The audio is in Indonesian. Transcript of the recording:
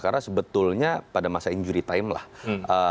karena sebetulnya pada masa injury time